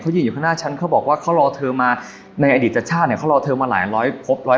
เขายืนอยู่ข้างหน้าฉันเขาบอกว่าเขารอเธอมาในอาหติธัศน์ก็รอเธอมาหลายพบ